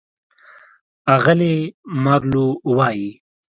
اغلې مارلو وايي: